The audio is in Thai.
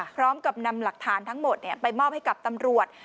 พร้อมกับนำหลักฐานทั้งหมดไปมอบให้กับตำรวจ